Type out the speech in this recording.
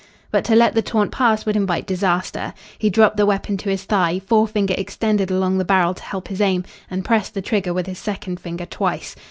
But to let the taunt pass would invite disaster. He dropped the weapon to his thigh, forefinger extended along the barrel to help his aim, and pressed the trigger with his second finger twice.